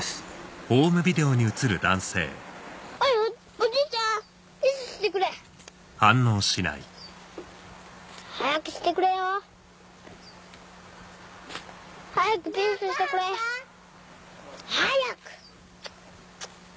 おじいちゃんピースしてくれ。早くしてくれよ。早くピースしてくれ早く！